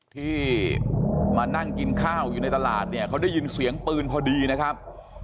ที่มานั่งกินข้าวอยู่ในตลาดเนี่ยเขาได้ยินเสียงปืนพอดีนะครับ